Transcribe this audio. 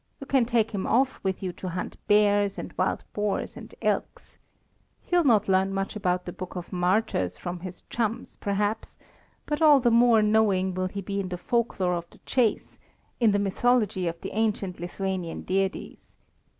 You can take him off with you to hunt bears and wild boars and elks. He'll not learn much about the book of martyrs from his chums, perhaps, but all the more knowing will he be in the folklore of the chase, in the mythology of the ancient Lithuanian deities.